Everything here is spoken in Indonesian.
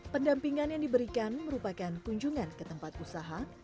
pendampingan yang diberikan merupakan kunjungan ke tempat usaha